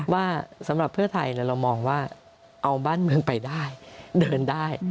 ว่าสำหรับเพื่อไทยเรามองว่าเอาบ้านเมืองไปได้เดินได้